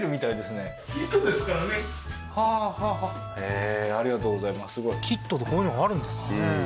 すごいキットでこういうのがあるんですね